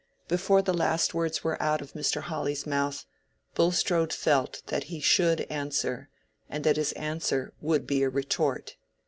Before the last words were out of Mr. Hawley's mouth, Bulstrode felt that he should answer, and that his answer would be a retort.